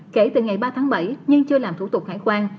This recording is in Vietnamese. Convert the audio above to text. kể từ ngày ba tháng bảy nhưng chưa làm thủ tục hải quan